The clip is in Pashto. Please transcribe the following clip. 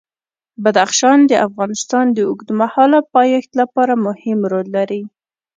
بدخشان د افغانستان د اوږدمهاله پایښت لپاره مهم رول لري.